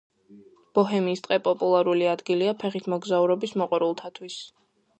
ბოჰემიის ტყე პოპულარული ადგილია ფეხით მოგზაურობის მოყვარულთათვის.